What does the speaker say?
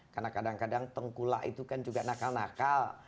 karena kadang kadang tengkulak itu kan juga nakal nakal